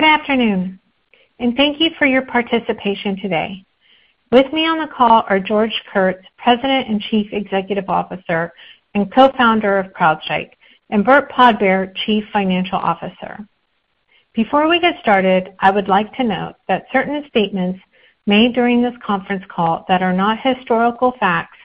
Good afternoon, and thank you for your participation today. With me on the call are George Kurtz, President and Chief Executive Officer and co-founder of CrowdStrike, and Burt Podbere, Chief Financial Officer. Before we get started, I would like to note that certain statements made during this conference call that are not historical facts,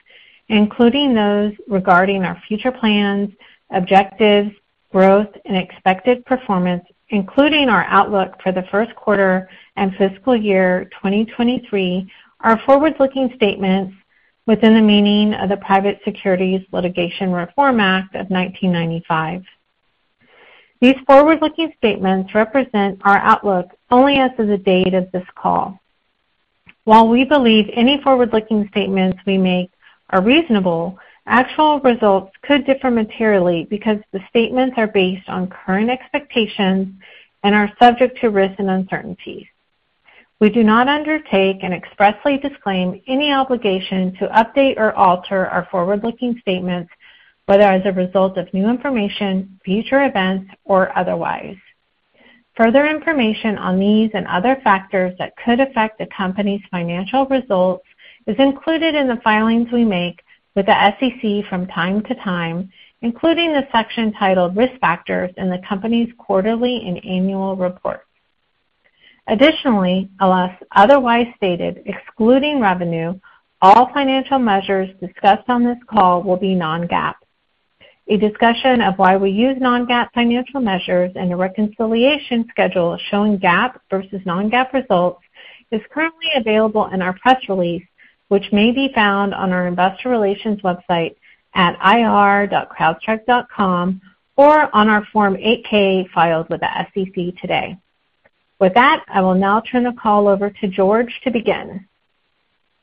including those regarding our future plans, objectives, growth, and expected performance, including our outlook for the first quarter and fiscal year 2023, are forward-looking statements within the meaning of the Private Securities Litigation Reform Act of 1995. These forward-looking statements represent our outlook only as of the date of this call. While we believe any forward-looking statements we make are reasonable, actual results could differ materially because the statements are based on current expectations and are subject to risks and uncertainties. We do not undertake and expressly disclaim any obligation to update or alter our forward-looking statements, whether as a result of new information, future events, or otherwise. Further information on these and other factors that could affect the company's financial results is included in the filings we make with the SEC from time to time, including the section titled Risk Factors in the company's quarterly and annual reports. Additionally, unless otherwise stated, excluding revenue, all financial measures discussed on this call will be non-GAAP. A discussion of why we use non-GAAP financial measures and a reconciliation schedule showing GAAP versus non-GAAP results is currently available in our press release, which may be found on our investor relations website at ir.crowdstrike.com or on our Form 8-K filed with the SEC today. With that, I will now turn the call over to George to begin.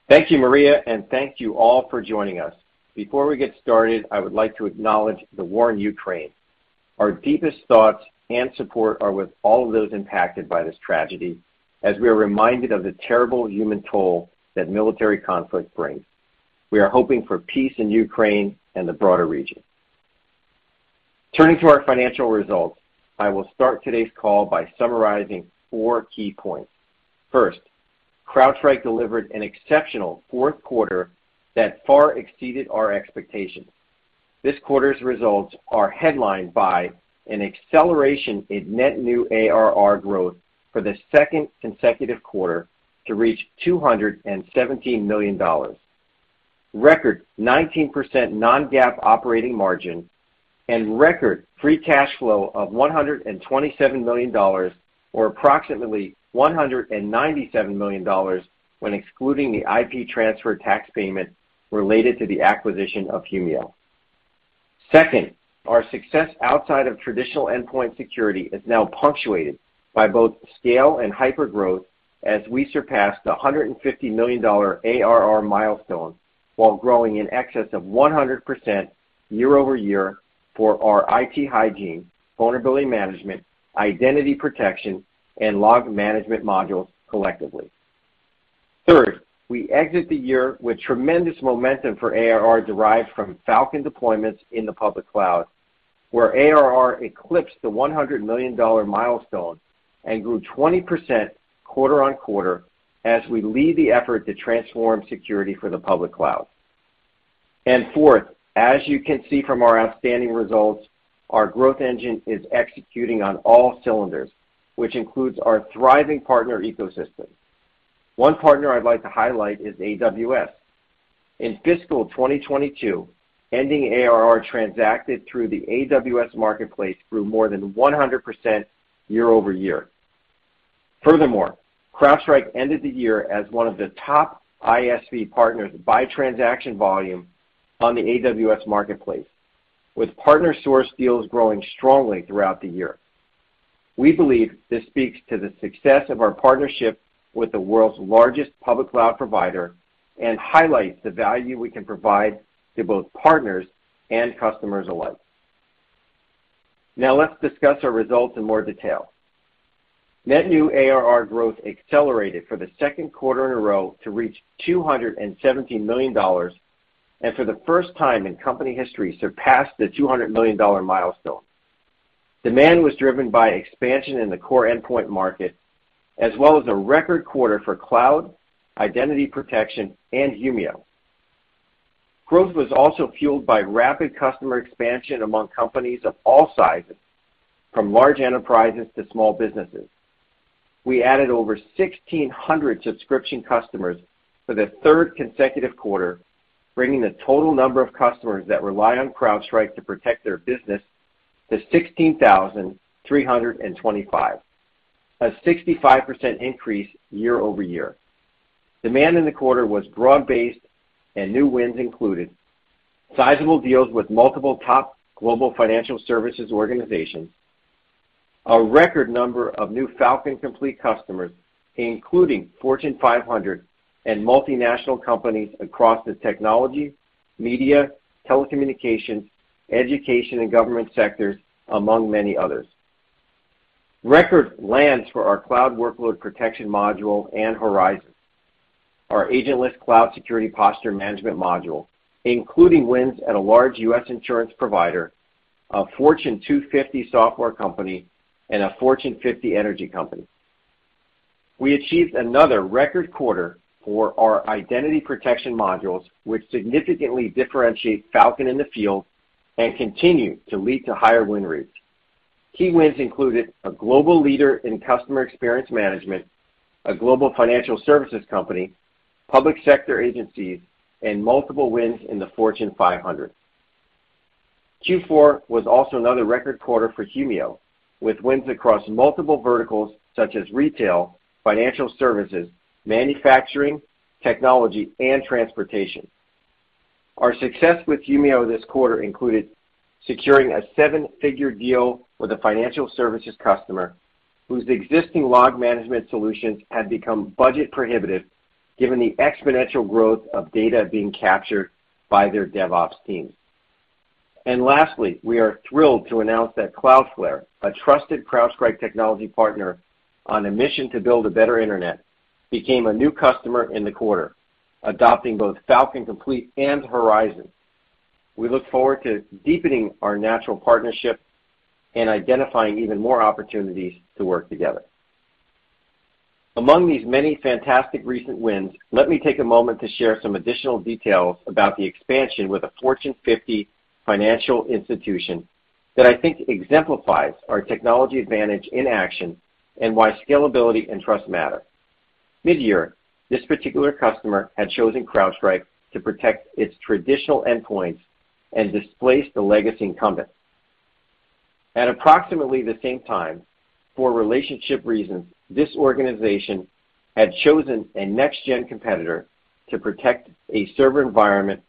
Thank you, Maria, and thank you all for joining us. Before we get started, I would like to acknowledge the war in Ukraine. Our deepest thoughts and support are with all of those impacted by this tragedy, as we are reminded of the terrible human toll that military conflict brings. We are hoping for peace in Ukraine and the broader region. Turning to our financial results, I will start today's call by summarizing four key points. First, CrowdStrike delivered an exceptional fourth quarter that far exceeded our expectations. This quarter's results are headlined by an acceleration in net new ARR growth for the second consecutive quarter to reach $217 million, record 19% non-GAAP operating margin, and record free cash flow of $127 million, or approximately $197 million when excluding the IP transfer tax payment related to the acquisition of Humio. Second, our success outside of traditional endpoint security is now punctuated by both scale and hypergrowth as we surpassed the $150 million ARR milestone while growing in excess of 100% year-over-year for our IT hygiene, vulnerability management, identity protection, and log management modules collectively. Third, we exit the year with tremendous momentum for ARR derived from Falcon deployments in the public cloud, where ARR eclipsed the $100 million milestone and grew 20% quarter-over-quarter as we lead the effort to transform security for the public cloud. Fourth, as you can see from our outstanding results, our growth engine is executing on all cylinders, which includes our thriving partner ecosystem. One partner I'd like to highlight is AWS. In fiscal 2022, ending ARR transacted through the AWS Marketplace grew more than 100% year-over-year. Furthermore, CrowdStrike ended the year as one of the top ISV partners by transaction volume on the AWS Marketplace, with partner source deals growing strongly throughout the year. We believe this speaks to the success of our partnership with the world's largest public cloud provider and highlights the value we can provide to both partners and customers alike. Now let's discuss our results in more detail. Net new ARR growth accelerated for the second quarter in a row to reach $217 million, and for the first time in company history, surpassed the $200 million milestone. Demand was driven by expansion in the core endpoint market as well as a record quarter for cloud, identity protection, and Humio. Growth was also fueled by rapid customer expansion among companies of all sizes, from large enterprises to small businesses. We added over 1,600 subscription customers for the third consecutive quarter, bringing the total number of customers that rely on CrowdStrike to protect their business to 16,325, a 65% increase year-over-year. Demand in the quarter was broad-based and new wins included sizable deals with multiple top global financial services organizations, a record number of new Falcon Complete customers, including Fortune 500 and multinational companies across the technology, media, telecommunications, education, and government sectors, among many others. Record lands for our cloud workload protection module and Horizon, our agentless cloud security posture management module, including wins at a large U.S. insurance provider, a Fortune 250 software company, and a Fortune 50 energy company. We achieved another record quarter for our identity protection modules, which significantly differentiate Falcon in the field and continue to lead to higher win rates. Key wins included a global leader in customer experience management, a global financial services company, public sector agencies, and multiple wins in the Fortune 500. Q4 was also another record quarter for Humio, with wins across multiple verticals such as retail, financial services, manufacturing, technology, and transportation. Our success with Humio this quarter included securing a seven-figure deal with a financial services customer whose existing log management solutions had become budget prohibitive given the exponential growth of data being captured by their DevOps team. Lastly, we are thrilled to announce that Cloudflare, a trusted CrowdStrike technology partner on a mission to build a better internet, became a new customer in the quarter, adopting both Falcon Complete and Falcon Horizon. We look forward to deepening our natural partnership and identifying even more opportunities to work together. Among these many fantastic recent wins, let me take a moment to share some additional details about the expansion with a Fortune 500 financial institution that I think exemplifies our technology advantage in action and why scalability and trust matter. Mid-year, this particular customer had chosen CrowdStrike to protect its traditional endpoints and displace the legacy incumbent. At approximately the same time, for relationship reasons, this organization had chosen a next gen competitor to protect a server environment.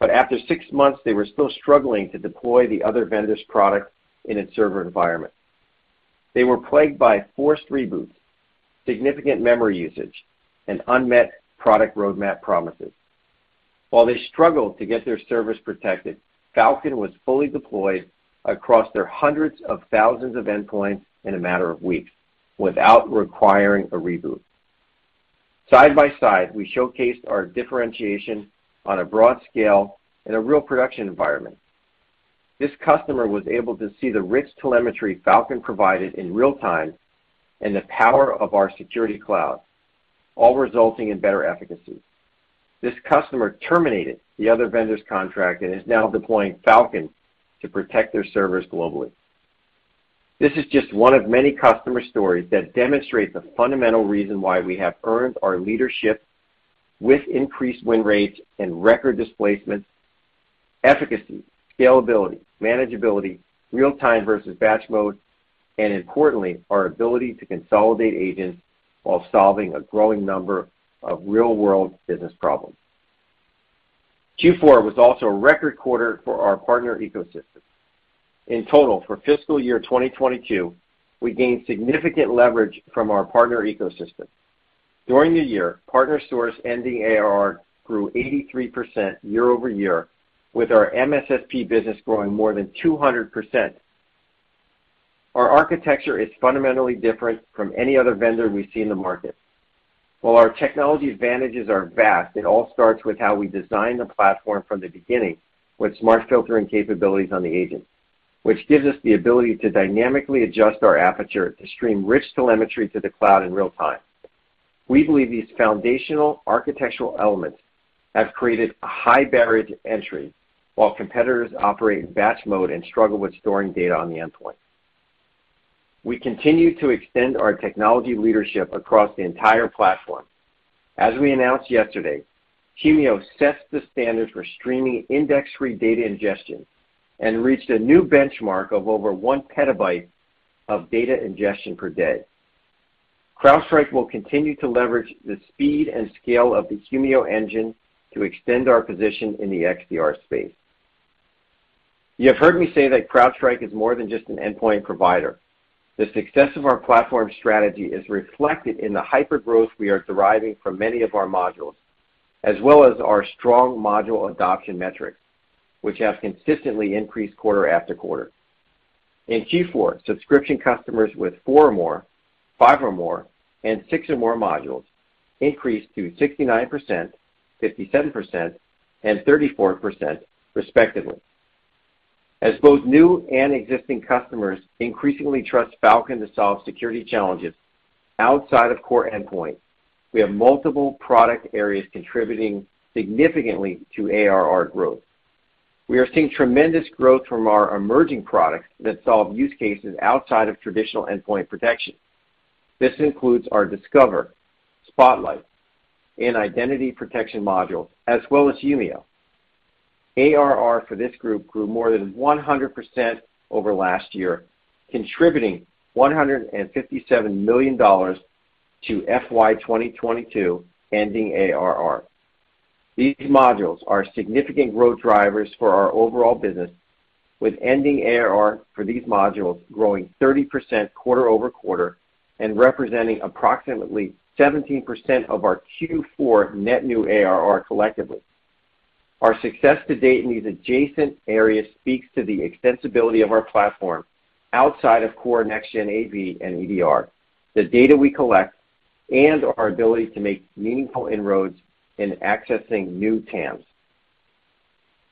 After six months, they were still struggling to deploy the other vendor's product in its server environment. They were plagued by forced reboots, significant memory usage, and unmet product roadmap promises. While they struggled to get their service protected, Falcon was fully deployed across their hundreds of thousands of endpoints in a matter of weeks without requiring a reboot. Side by side, we showcased our differentiation on a broad scale in a real production environment. This customer was able to see the rich telemetry Falcon provided in real time and the power of our security cloud, all resulting in better efficacy. This customer terminated the other vendor's contract and is now deploying Falcon to protect their servers globally. This is just one of many customer stories that demonstrate the fundamental reason why we have earned our leadership with increased win rates and record displacement, efficacy, scalability, manageability, real-time versus batch mode, and importantly, our ability to consolidate agents while solving a growing number of real-world business problems. Q4 was also a record quarter for our partner ecosystem. In total, for fiscal year 2022, we gained significant leverage from our partner ecosystem. During the year, partner source ending ARR grew 83% year-over-year, with our MSSP business growing more than 200%. Our architecture is fundamentally different from any other vendor we see in the market. While our technology advantages are vast, it all starts with how we design the platform from the beginning with smart filtering capabilities on the agent, which gives us the ability to dynamically adjust our aperture to stream rich telemetry to the cloud in real time. We believe these foundational architectural elements have created a high barrier to entry while competitors operate in batch mode and struggle with storing data on the endpoint. We continue to extend our technology leadership across the entire platform. As we announced yesterday, Humio sets the standard for streaming index-free data ingestion and reached a new benchmark of over 1 petabyte of data ingestion per day. CrowdStrike will continue to leverage the speed and scale of the Humio engine to extend our position in the XDR space. You have heard me say that CrowdStrike is more than just an endpoint provider. The success of our platform strategy is reflected in the hypergrowth we are deriving from many of our modules, as well as our strong module adoption metrics, which have consistently increased quarter after quarter. In Q4, subscription customers with four or more, five or more, and six or more modules increased to 69%, 57%, and 34% respectively. As both new and existing customers increasingly trust Falcon to solve security challenges outside of core endpoint, we have multiple product areas contributing significantly to ARR growth. We are seeing tremendous growth from our emerging products that solve use cases outside of traditional endpoint protection. This includes our Falcon Discover, Falcon Spotlight, and Falcon Identity Protection module, as well as Humio. ARR for this group grew more than 100% over last year, contributing $157 million to FY 2022 ending ARR. These modules are significant growth drivers for our overall business, with ending ARR for these modules growing 30% quarter-over-quarter and representing approximately 17% of our Q4 net new ARR collectively. Our success to date in these adjacent areas speaks to the extensibility of our platform outside of core next-gen AV and EDR, the data we collect, and our ability to make meaningful inroads in accessing new TAMs.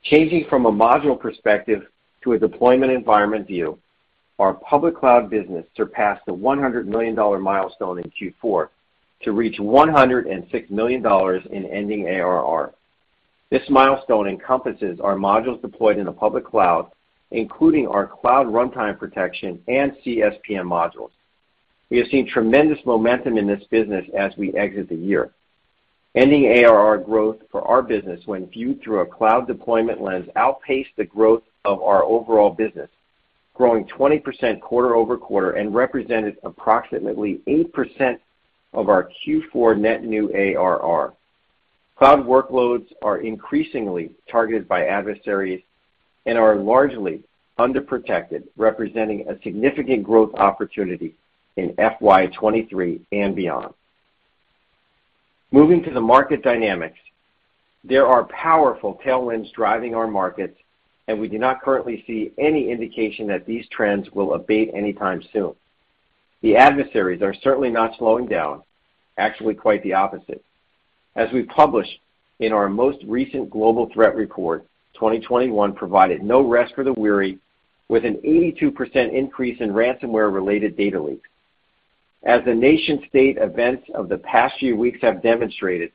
Changing from a module perspective to a deployment environment view, our public cloud business surpassed the $100 million milestone in Q4 to reach $106 million in ending ARR. This milestone encompasses our modules deployed in the public cloud, including our cloud runtime protection and CSPM modules. We have seen tremendous momentum in this business as we exit the year. Ending ARR growth for our business when viewed through a cloud deployment lens outpaced the growth of our overall business, growing 20% quarter-over-quarter and represented approximately 8% of our Q4 net new ARR. Cloud workloads are increasingly targeted by adversaries and are largely underprotected, representing a significant growth opportunity in FY 2023 and beyond. Moving to the market dynamics, there are powerful tailwinds driving our markets, and we do not currently see any indication that these trends will abate anytime soon. The adversaries are certainly not slowing down, actually quite the opposite. As we published in our most recent global threat report, 2021 provided no rest for the weary with an 82% increase in ransomware-related data leaks. As the nation state events of the past few weeks have demonstrated,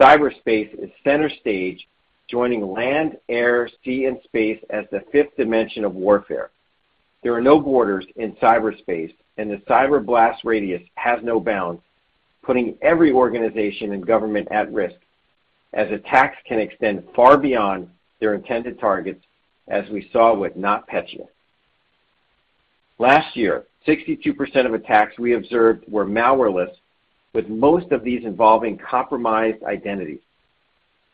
cyberspace is center stage, joining land, air, sea and space as the fifth dimension of warfare. There are no borders in cyberspace, and the cyber blast radius has no bounds, putting every organization and government at risk, as attacks can extend far beyond their intended targets, as we saw with NotPetya. Last year, 62% of attacks we observed were malware-less, with most of these involving compromised identities.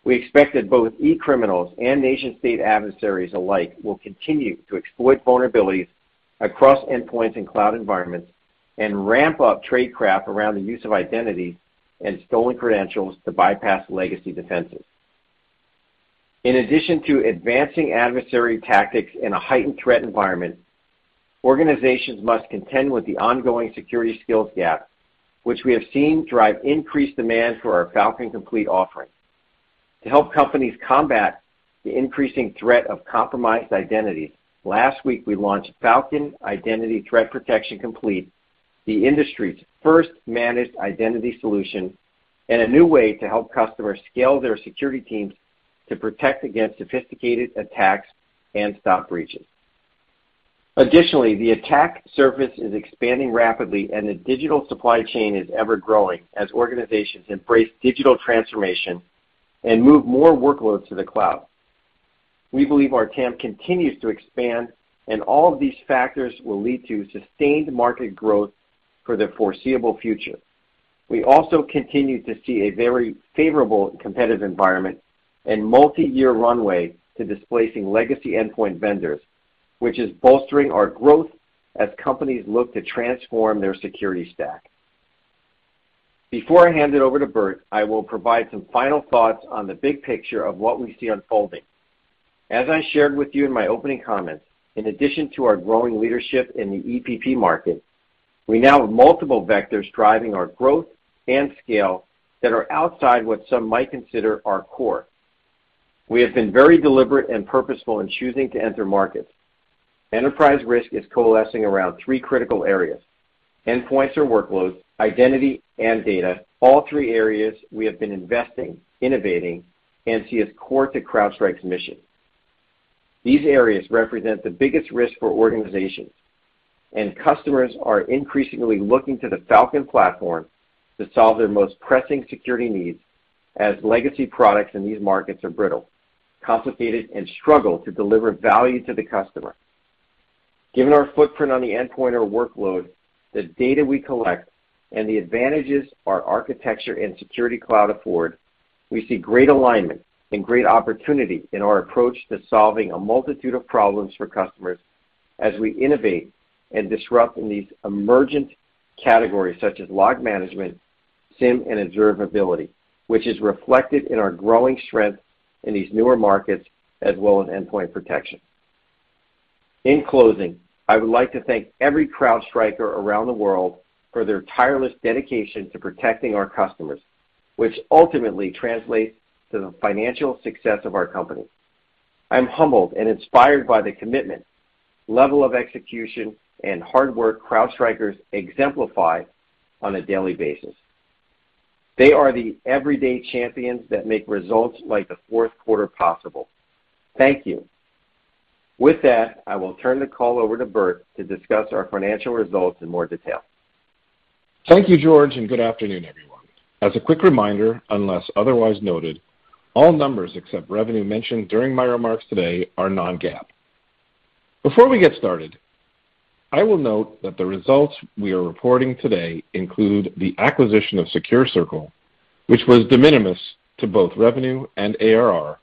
We expect that both e-criminals and nation state adversaries alike will continue to exploit vulnerabilities across endpoints in cloud environments and ramp up tradecraft around the use of identity and stolen credentials to bypass legacy defenses. In addition to advancing adversary tactics in a heightened threat environment, organizations must contend with the ongoing security skills gap, which we have seen drive increased demand for our Falcon Complete offering. To help companies combat the increasing threat of compromised identities, last week we launched Falcon Identity Threat Protection Complete, the industry's first managed identity solution and a new way to help customers scale their security teams to protect against sophisticated attacks and stop breaches. Additionally, the attack surface is expanding rapidly, and the digital supply chain is ever-growing as organizations embrace digital transformation and move more workloads to the cloud. We believe our TAM continues to expand, and all of these factors will lead to sustained market growth for the foreseeable future. We also continue to see a very favorable competitive environment and multiyear runway to displacing legacy endpoint vendors, which is bolstering our growth as companies look to transform their security stack. Before I hand it over to Burt, I will provide some final thoughts on the big picture of what we see unfolding. As I shared with you in my opening comments, in addition to our growing leadership in the EPP market, we now have multiple vectors driving our growth and scale that are outside what some might consider our core. We have been very deliberate and purposeful in choosing to enter markets. Enterprise risk is coalescing around three critical areas: endpoints or workloads, identity, and data. All three areas we have been investing, innovating, and see as core to CrowdStrike's mission. These areas represent the biggest risk for organizations, and customers are increasingly looking to the Falcon platform to solve their most pressing security needs as legacy products in these markets are brittle, complicated, and struggle to deliver value to the customer. Given our footprint on the endpoint or workload, the data we collect, and the advantages our architecture and security cloud afford, we see great alignment and great opportunity in our approach to solving a multitude of problems for customers as we innovate and disrupt in these emergent categories such as log management, SIEM, and observability, which is reflected in our growing strength in these newer markets, as well as endpoint protection. In closing, I would like to thank every CrowdStriker around the world for their tireless dedication to protecting our customers, which ultimately translates to the financial success of our company. I'm humbled and inspired by the commitment, level of execution, and hard work CrowdStrikers exemplify on a daily basis. They are the everyday champions that make results like the fourth quarter possible. Thank you. With that, I will turn the call over to Burt to discuss our financial results in more detail. Thank you, George, and good afternoon, everyone. As a quick reminder, unless otherwise noted, all numbers except revenue mentioned during my remarks today are non-GAAP. Before we get started, I will note that the results we are reporting today include the acquisition of SecureCircle, which was de minimis to both revenue and ARR,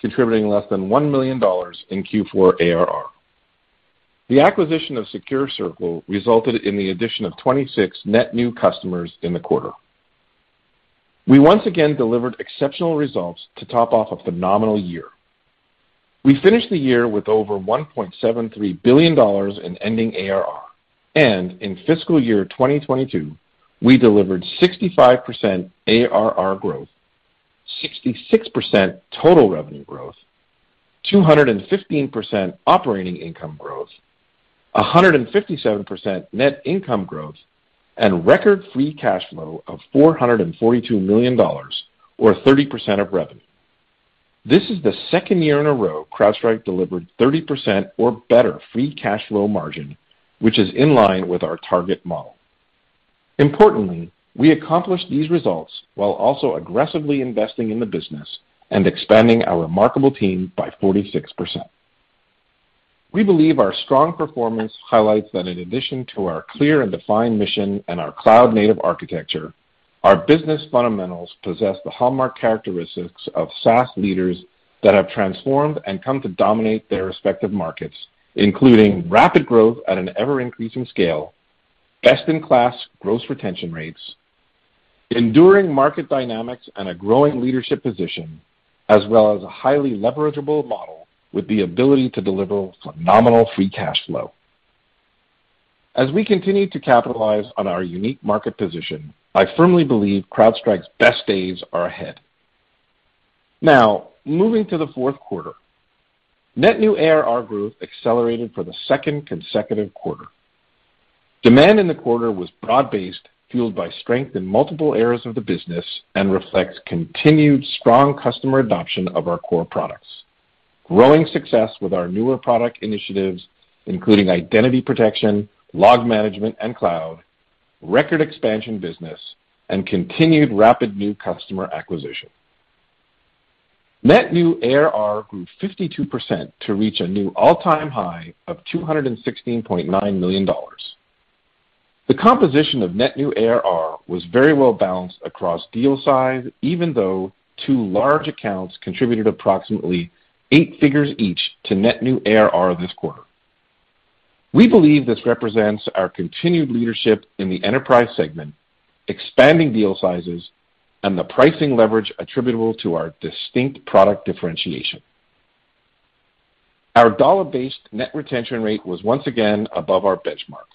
contributing less than $1 million in Q4 ARR. The acquisition of SecureCircle resulted in the addition of 26 net new customers in the quarter. We once again delivered exceptional results to top off a phenomenal year. We finished the year with over $1.73 billion in ending ARR, and in fiscal year 2022, we delivered 65% ARR growth, 66% total revenue growth, 215% operating income growth, 157% net income growth, and record free cash flow of $442 million or 30% of revenue. This is the second year in a row CrowdStrike delivered 30% or better free cash flow margin, which is in line with our target model. Importantly, we accomplished these results while also aggressively investing in the business and expanding our remarkable team by 46%. We believe our strong performance highlights that in addition to our clear and defined mission and our cloud-native architecture, our business fundamentals possess the hallmark characteristics of SaaS leaders that have transformed and come to dominate their respective markets, including rapid growth at an ever-increasing scale, best-in-class gross retention rates, enduring market dynamics, and a growing leadership position, as well as a highly leverageable model with the ability to deliver phenomenal free cash flow. As we continue to capitalize on our unique market position, I firmly believe CrowdStrike's best days are ahead. Now, moving to the fourth quarter, net new ARR growth accelerated for the second consecutive quarter. Demand in the quarter was broad-based, fueled by strength in multiple areas of the business and reflects continued strong customer adoption of our core products, growing success with our newer product initiatives, including identity protection, log management and cloud, record expansion business, and continued rapid new customer acquisition. Net new ARR grew 52% to reach a new all-time high of $216.9 million. The composition of net new ARR was very well balanced across deal size, even though two large accounts contributed approximately eight figures each to net new ARR this quarter. We believe this represents our continued leadership in the enterprise segment, expanding deal sizes, and the pricing leverage attributable to our distinct product differentiation. Our dollar-based net retention rate was once again above our benchmark.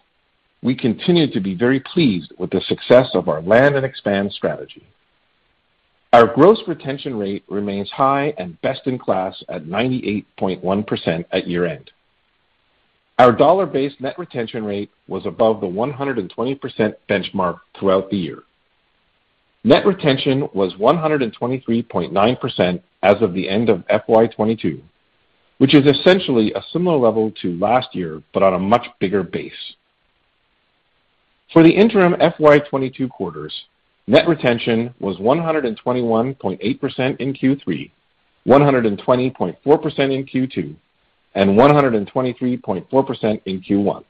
We continue to be very pleased with the success of our land and expand strategy. Our gross retention rate remains high and best in class at 98.1% at year-end. Our dollar-based net retention rate was above the 120% benchmark throughout the year. Net retention was 123.9% as of the end of FY 2022, which is essentially a similar level to last year, but on a much bigger base. For the interim FY 2022 quarters, net retention was 121.8% in Q3, 120.4% in Q2, and 123.4% in Q1.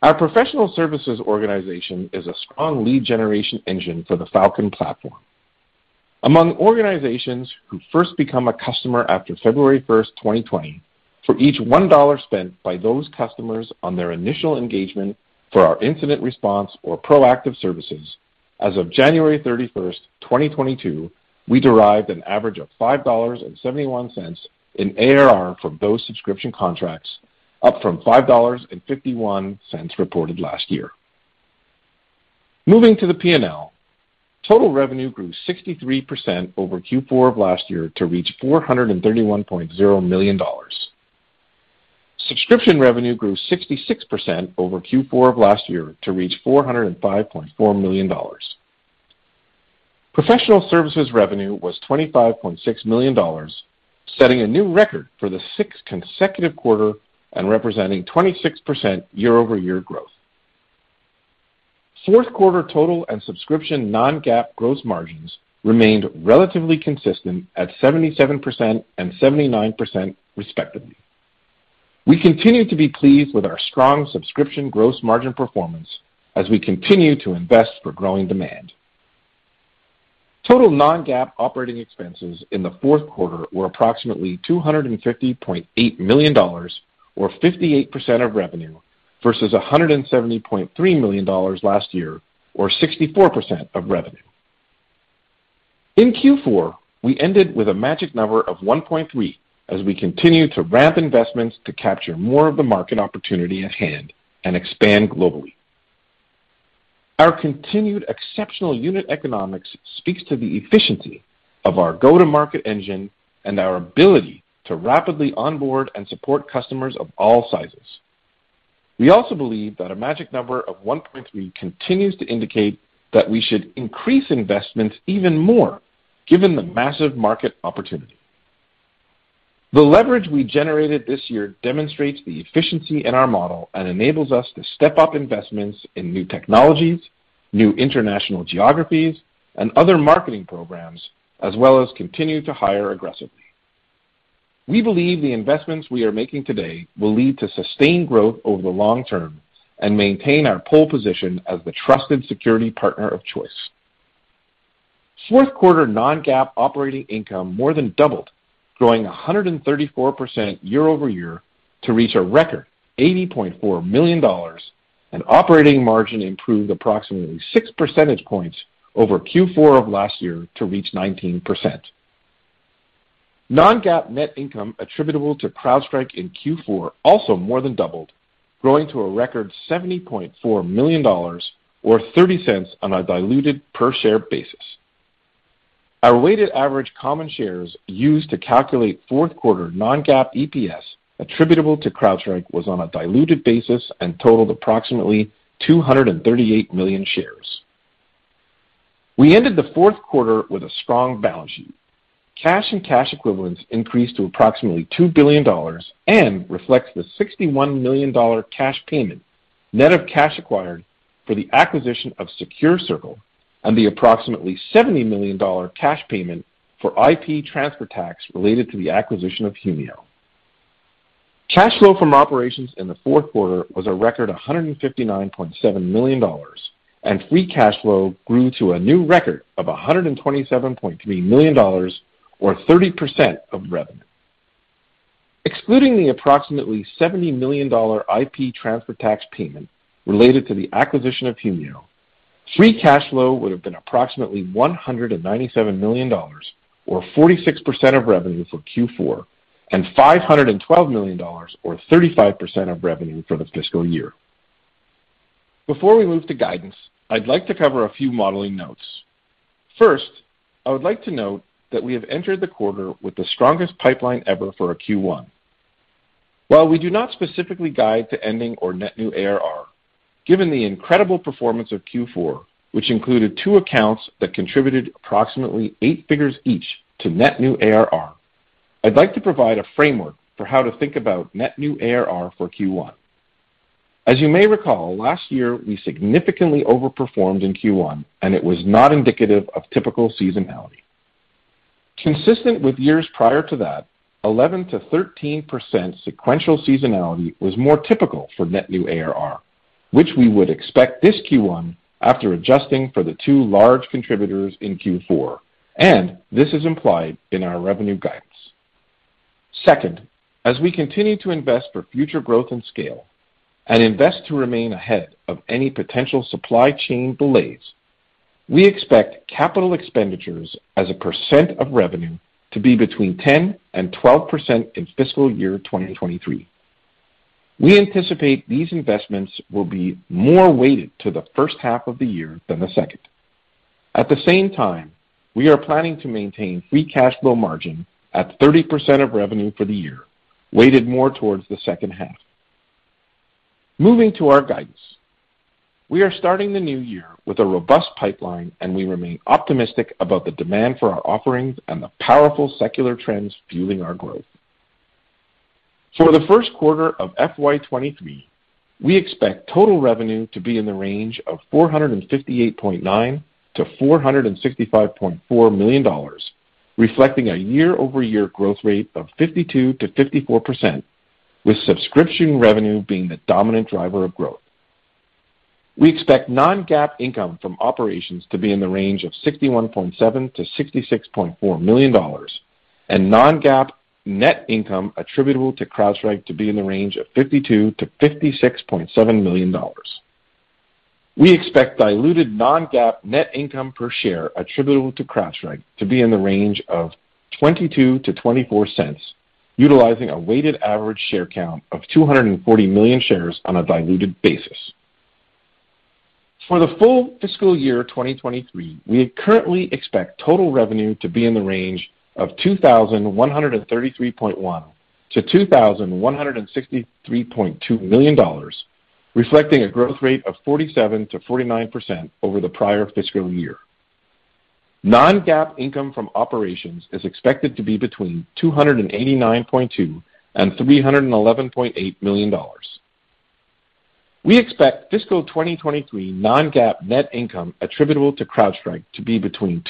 Our professional services organization is a strong lead generation engine for the Falcon platform. Among organizations who first become a customer after February 1, 2020, for each $1 spent by those customers on their initial engagement for our incident response or proactive services, as of January 31, 2022, we derived an average of $5.71 in ARR from those subscription contracts, up from $5.51 reported last year. Moving to the P&L, total revenue grew 63% over Q4 of last year to reach $431.0 million. Subscription revenue grew 66% over Q4 of last year to reach $405.4 million. Professional services revenue was $25.6 million, setting a new record for the sixth consecutive quarter and representing 26% year-over-year growth. Fourth quarter total and subscription non-GAAP gross margins remained relatively consistent at 77% and 79%, respectively. We continue to be pleased with our strong subscription gross margin performance as we continue to invest for growing demand. Total non-GAAP operating expenses in the fourth quarter were approximately $250.8 million or 58% of revenue, versus $170.3 million last year or 64% of revenue. In Q4, we ended with a magic number of 1.3 as we continue to ramp investments to capture more of the market opportunity at hand and expand globally. Our continued exceptional unit economics speaks to the efficiency of our go-to-market engine and our ability to rapidly onboard and support customers of all sizes. We also believe that a magic number of 1.3 continues to indicate that we should increase investments even more given the massive market opportunity. The leverage we generated this year demonstrates the efficiency in our model and enables us to step up investments in new technologies, new international geographies, and other marketing programs, as well as continue to hire aggressively. We believe the investments we are making today will lead to sustained growth over the long term and maintain our pole position as the trusted security partner of choice. Fourth quarter non-GAAP operating income more than doubled, growing 134% year-over-year to reach a record $80.4 million, and operating margin improved approximately 6 percentage points over Q4 of last year to reach 19%. Non-GAAP net income attributable to CrowdStrike in Q4 also more than doubled, growing to a record $70.4 million or $0.30 on a diluted per share basis. Our weighted average common shares used to calculate fourth quarter non-GAAP EPS attributable to CrowdStrike was on a diluted basis and totaled approximately 238 million shares. We ended the fourth quarter with a strong balance sheet. Cash and cash equivalents increased to approximately $2 billion and reflects the $61 million cash payment, net of cash acquired for the acquisition of SecureCircle and the approximately $70 million cash payment for IP transfer tax related to the acquisition of Humio. Cash flow from operations in the fourth quarter was a record $159.7 million, and free cash flow grew to a new record of $127.3 million or 30% of revenue. Excluding the approximately $70 million IP transfer tax payment related to the acquisition of Humio, free cash flow would have been approximately $197 million or 46% of revenue for Q4 and $512 million or 35% of revenue for the fiscal year. Before we move to guidance, I'd like to cover a few modeling notes. First, I would like to note that we have entered the quarter with the strongest pipeline ever for a Q1. While we do not specifically guide to ending or net new ARR, given the incredible performance of Q4, which included two accounts that contributed approximately eight figures each to net new ARR, I'd like to provide a framework for how to think about net new ARR for Q1. As you may recall, last year we significantly overperformed in Q1, and it was not indicative of typical seasonality. Consistent with years prior to that, 11%-13% sequential seasonality was more typical for net new ARR, which we would expect this Q1 after adjusting for the two large contributors in Q4, and this is implied in our revenue guidance. Second, as we continue to invest for future growth and scale and invest to remain ahead of any potential supply chain delays, we expect capital expenditures as a percent of revenue to be between 10% and 12% in fiscal year 2023. We anticipate these investments will be more weighted to the first half of the year than the second. At the same time, we are planning to maintain free cash flow margin at 30% of revenue for the year, weighted more towards the second half. Moving to our guidance. We are starting the new year with a robust pipeline, and we remain optimistic about the demand for our offerings and the powerful secular trends fueling our growth. For the first quarter of FY 2023, we expect total revenue to be in the range of $458.9-465.4 million, reflecting a year-over-year growth rate of 52%-54%, with subscription revenue being the dominant driver of growth. We expect non-GAAP income from operations to be in the range of $61.7-66.4 million and non-GAAP net income attributable to CrowdStrike to be in the range of $52-56.7 million. We expect diluted non-GAAP net income per share attributable to CrowdStrike to be in the range of $0.22-0.24, utilizing a weighted average share count of 240 million shares on a diluted basis. For the full fiscal year 2023, we currently expect total revenue to be in the range of $2,133.1-2,163.2 million, reflecting a growth rate of 47%-49% over the prior fiscal year. Non-GAAP income from operations is expected to be between $289.2-311.8 million. We expect fiscal 2023 non-GAAP net income attributable to CrowdStrike to be between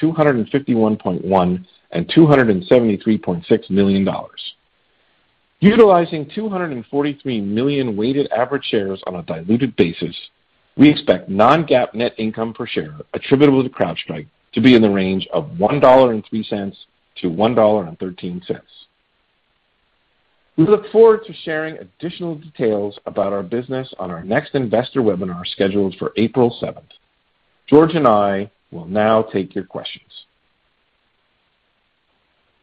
$251.1-273.6 million. Utilizing 243 million weighted average shares on a diluted basis, we expect non-GAAP net income per share attributable to CrowdStrike to be in the range of $1.03-1.13. We look forward to sharing additional details about our business on our next investor webinar, scheduled for April seventh. George and I will now take your questions.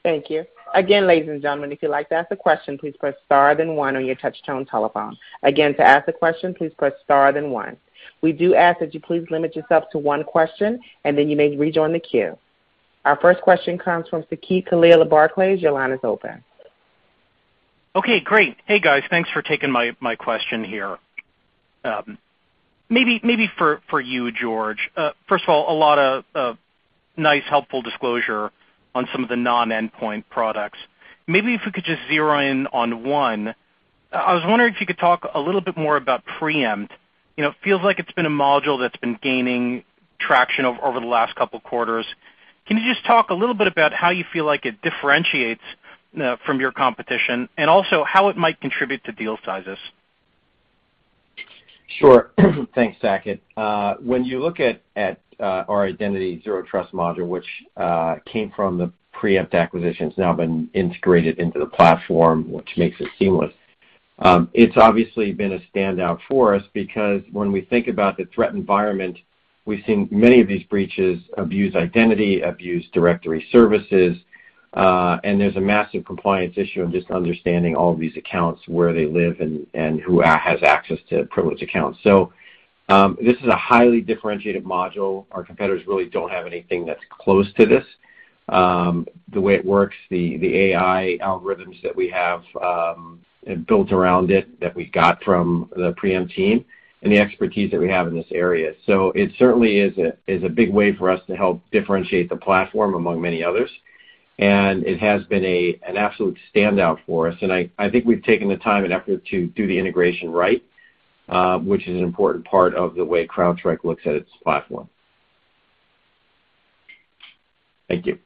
Thank you. Again, ladies and gentlemen, if you'd like to ask a question, please press star then one on your touchtone telephone. Again, to ask a question, please press star then one. We do ask that you please limit yourself to one question, and then you may rejoin the queue. Our first question comes from Saket Kalia at Barclays. Your line is open. Okay, great. Hey, guys. Thanks for taking my question here. Maybe for you, George. First of all, a lot of nice, helpful disclosure on some of the non-endpoint products. Maybe if we could just zero in on one. I was wondering if you could talk a little bit more about Preempt. You know, it feels like it's been a module that's been gaining traction over the last couple of quarters. Can you just talk a little bit about how you feel like it differentiates from your competition and also how it might contribute to deal sizes? Sure. Thanks, Saket. When you look at our identity zero trust module, which came from the Preempt acquisitions, now been integrated into the platform, which makes it seamless, it's obviously been a standout for us because when we think about the threat environment, we've seen many of these breaches abuse identity, abuse directory services, and there's a massive compliance issue in just understanding all of these accounts, where they live and who has access to privileged accounts. This is a highly differentiated module. Our competitors really don't have anything that's close to this. The way it works, the AI algorithms that we have built around it that we got from the Preempt team and the expertise that we have in this area. It certainly is a big way for us to help differentiate the platform among many others. It has been an absolute standout for us, and I think we've taken the time and effort to do the integration right, which is an important part of the way CrowdStrike looks at its platform. Thank you.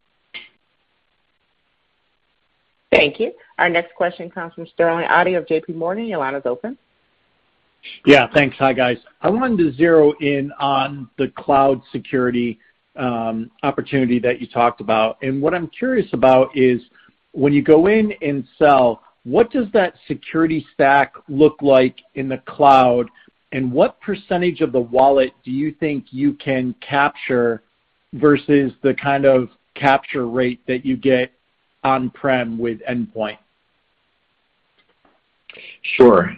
Thank you. Our next question comes from Sterling Auty of J.P. Morgan. Your line is open. Yeah, thanks. Hi, guys. I wanted to zero in on the cloud security opportunity that you talked about. What I'm curious about is when you go in and sell, what does that security stack look like in the cloud, and what percentage of the wallet do you think you can capture versus the kind of capture rate that you get on-prem with endpoint? Sure.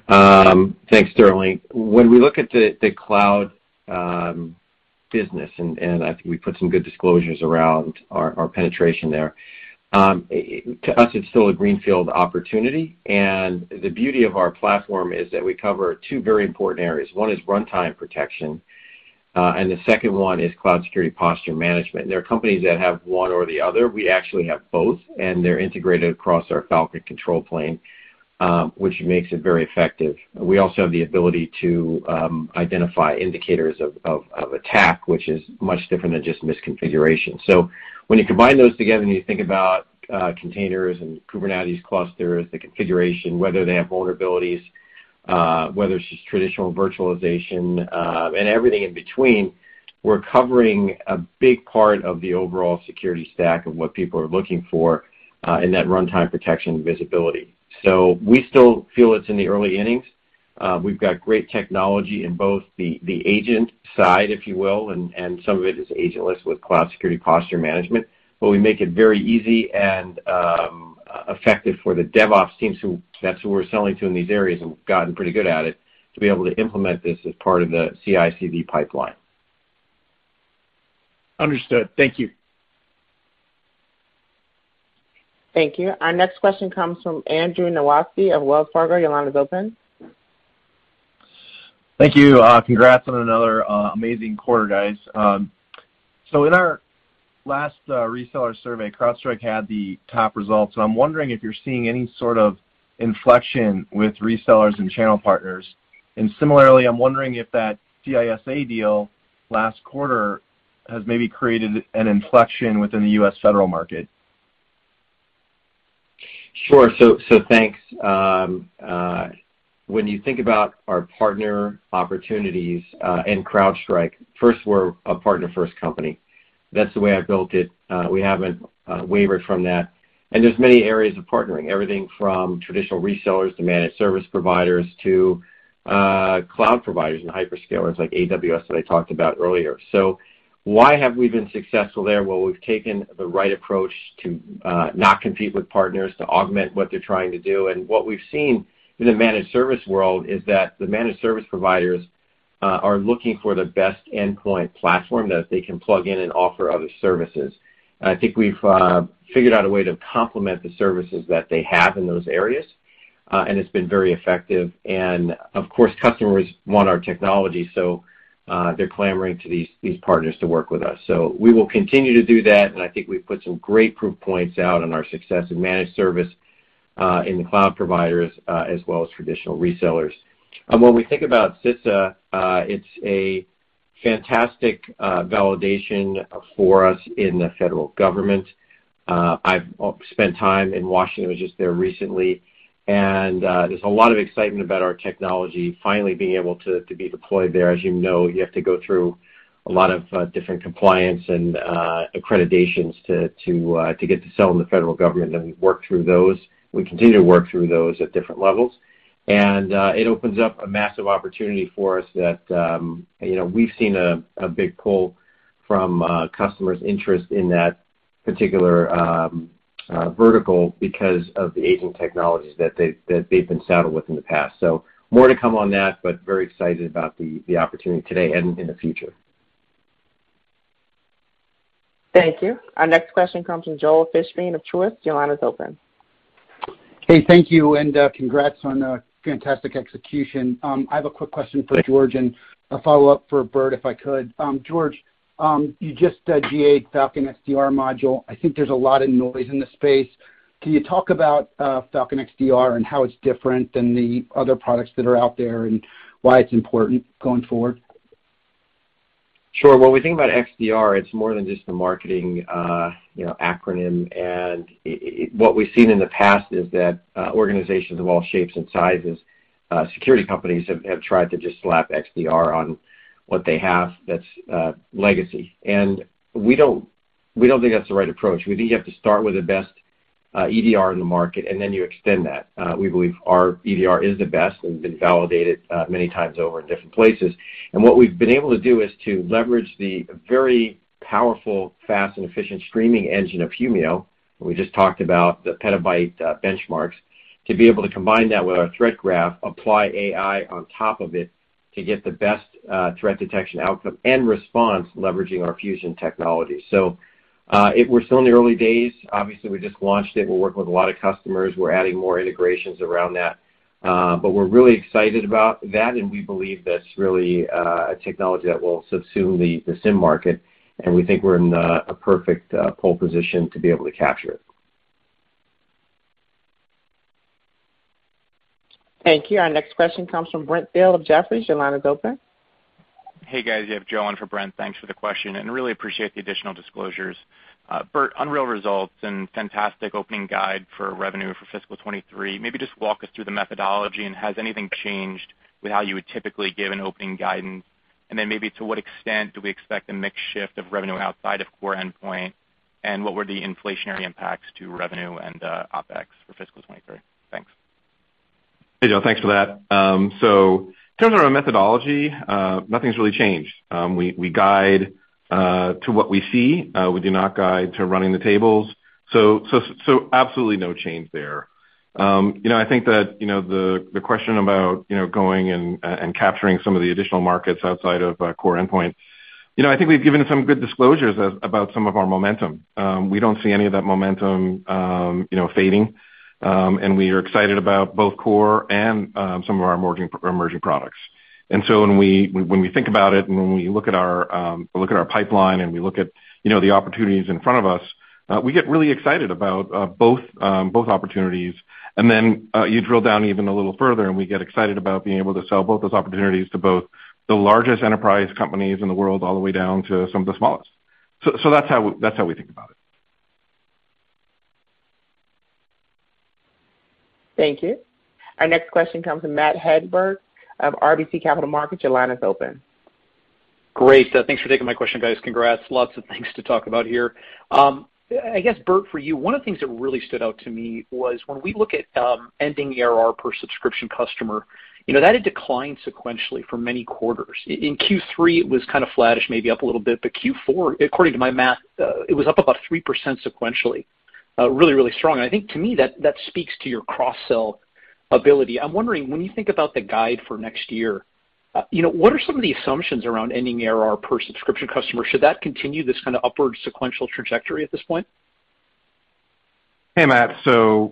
Thanks, Sterling. When we look at the cloud business, and I think we put some good disclosures around our penetration there, to us, it's still a greenfield opportunity. The beauty of our platform is that we cover two very important areas. One is runtime protection, and the second one is cloud security posture management. There are companies that have one or the other. We actually have both, and they're integrated across our Falcon control plane, which makes it very effective. We also have the ability to identify indicators of attack, which is much different than just misconfiguration. When you combine those together, and you think about, containers and Kubernetes clusters, the configuration, whether they have vulnerabilities, whether it's just traditional virtualization, and everything in between, we're covering a big part of the overall security stack of what people are looking for, in that runtime protection and visibility. We still feel it's in the early innings. We've got great technology in both the agent side, if you will, and some of it is agentless with cloud security posture management, but we make it very easy and effective for the DevOps teams who that's who we're selling to in these areas, and we've gotten pretty good at it, to be able to implement this as part of the CICD pipeline. Understood. Thank you. Thank you. Our next question comes from Andrew Nowinski of Wells Fargo. Your line is open. Thank you. Congrats on another amazing quarter, guys. So in our last reseller survey, CrowdStrike had the top results, and I'm wondering if you're seeing any sort of inflection with resellers and channel partners. Similarly, I'm wondering if that CISA deal last quarter has maybe created an inflection within the U.S. federal market. Sure. Thanks. When you think about our partner opportunities in CrowdStrike, first, we're a partner-first company. That's the way I built it. We haven't wavered from that. There's many areas of partnering, everything from traditional resellers to managed service providers to cloud providers and hyperscalers like AWS that I talked about earlier. Why have we been successful there? Well, we've taken the right approach to not compete with partners, to augment what they're trying to do. What we've seen in the managed service world is that the managed service providers are looking for the best endpoint platform that they can plug in and offer other services. I think we've figured out a way to complement the services that they have in those areas, and it's been very effective. Of course, customers want our technology, so they're clamoring to these partners to work with us. We will continue to do that, and I think we've put some great proof points out on our success in managed service in the cloud providers, as well as traditional resellers. When we think about CISA, it's a fantastic validation for us in the federal government. I've spent time in Washington, I was just there recently, and there's a lot of excitement about our technology finally being able to be deployed there. As you know, you have to go through a lot of different compliance and accreditations to get to sell in the federal government, and we work through those. We continue to work through those at different levels. It opens up a massive opportunity for us that, you know, we've seen a big pull from customers' interest in that particular vertical because of the aging technologies that they've been saddled with in the past. More to come on that, but very excited about the opportunity today and in the future. Thank you. Our next question comes from Joel Fishbein of Truist. Your line is open. Hey. Thank you, and congrats on a fantastic execution. I have a quick question for George and a follow-up for Burt, if I could. George, you just GA'd Falcon XDR module. I think there's a lot of noise in the space. Can you talk about Falcon XDR and how it's different than the other products that are out there and why it's important going forward? Sure. When we think about XDR, it's more than just a marketing, you know, acronym. What we've seen in the past is that organizations of all shapes and sizes, security companies have tried to just slap XDR on what they have that's legacy. We don't think that's the right approach. We think you have to start with the best EDR in the market, and then you extend that. We believe our EDR is the best and been validated many times over in different places. What we've been able to do is to leverage the very powerful, fast and efficient streaming engine of Humio. We just talked about the petabyte benchmarks to be able to combine that with our threat graph, apply AI on top of it to get the best threat detection outcome and response leveraging our fusion technology. We're still in the early days. Obviously, we just launched it. We're working with a lot of customers. We're adding more integrations around that. But we're really excited about that, and we believe that's really a technology that will subsume the SIEM market, and we think we're in a perfect pole position to be able to capture it. Thank you. Our next question comes from Brent Thill of Jefferies. Your line is open. Hey, guys. You have Joe on for Brent. Thanks for the question, and really appreciate the additional disclosures. Burt, unreal results and fantastic opening guidance for revenue for fiscal 2023. Maybe just walk us through the methodology, and has anything changed with how you would typically give an opening guidance? And then maybe to what extent do we expect a mix shift of revenue outside of core endpoint? And what were the inflationary impacts to revenue and OpEx for fiscal 2023? Thanks. Hey, Joe. Thanks for that. In terms of our methodology, nothing's really changed. We guide to what we see. We do not guide to running the tables. Absolutely no change there. You know, I think that the question about going and capturing some of the additional markets outside of core endpoint, you know, I think we've given some good disclosures about some of our momentum. We don't see any of that momentum, you know, fading. We are excited about both core and some of our emerging products. When we think about it and when we look at our pipeline and we look at you know the opportunities in front of us, we get really excited about both opportunities. You drill down even a little further, and we get excited about being able to sell both those opportunities to both the largest enterprise companies in the world all the way down to some of the smallest. That's how we think about it. Thank you. Our next question comes from Matt Hedberg of RBC Capital Markets. Your line is open. Great. Thanks for taking my question, guys. Congrats. Lots of things to talk about here. I guess, Burt, for you, one of the things that really stood out to me was when we look at ending ARR per subscription customer, you know, that had declined sequentially for many quarters. In Q3, it was kind of flattish, maybe up a little bit. Q4, according to my math, it was up about 3% sequentially. Really, really strong. I think to me, that speaks to your cross-sell ability. I'm wondering, when you think about the guide for next year, you know, what are some of the assumptions around ending ARR per subscription customer? Should that continue this kind of upward sequential trajectory at this point? Hey, Matt.